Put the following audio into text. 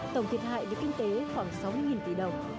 tổng thiệt hại về kinh tế khoảng sáu mươi tỷ đồng